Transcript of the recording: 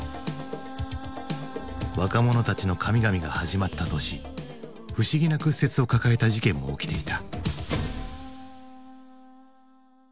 「若者たちの神々」が始まった年不思議な屈折を抱えた事件も起きていた。